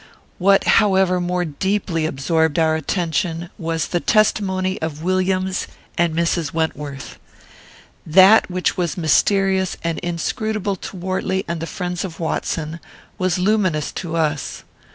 What, however, more deeply absorbed our attention, was the testimony of Williams and of Mrs. Wentworth. That which was mysterious and inscrutable to Wortley and the friends of Watson was luminous to us.